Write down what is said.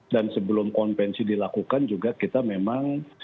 dan sebelum konvensi dilakukan juga kita memang